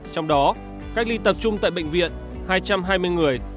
trong đó cách ly tập trung tại bệnh viện hai trăm hai mươi người